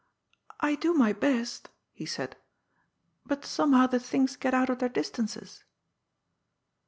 " I do my best," he said, " but somehow the things get out of their distances."